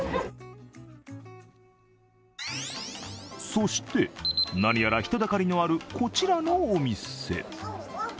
そして、何やら人だかりのあるこちらのお店。